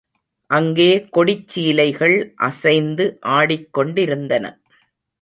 அங்கே கொடிச்சீலைகள் அசைந்து ஆடிக்கொண்டிருந்தன.